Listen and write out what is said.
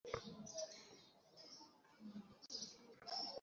তোরাই বাইকে এসে মাদক চুরি করতি তাই না?